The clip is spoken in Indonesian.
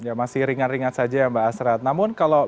ya masih ringan ringan saja ya mbak asrad namun kalau